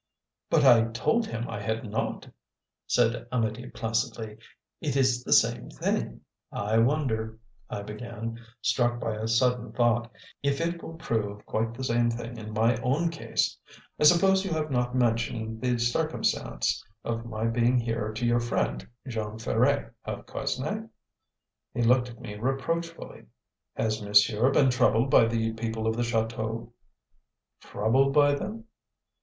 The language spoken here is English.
"But I told him I had not," said Amedee placidly. "It is the same thing." "I wonder," I began, struck by a sudden thought, "if it will prove quite the same thing in my own case. I suppose you have not mentioned the circumstance of my being here to your friend, Jean Ferret of Quesnay?" He looked at me reproachfully. "Has monsieur been troubled by the people of the chateau?" "'Troubled' by them?"